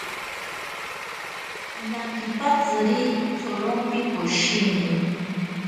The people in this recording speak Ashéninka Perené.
Nakipatziri tsorompi poshini.